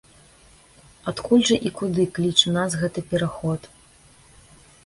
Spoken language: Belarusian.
Адкуль жа і куды кліча нас гэты пераход?